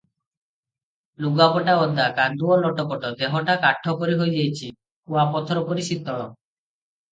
ଲୁଗାପଟା ଓଦା, କାଦୁଅ ଲଟପଟ, ଦେହଟା କାଠ ପରି ହୋଇଯାଇଛି, କୁଆପଥର ପରି ଶୀତଳ ।